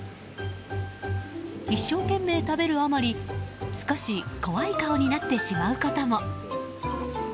一生懸命食べるあまり少し怖い顔になってしまうことも。